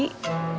oh ada apa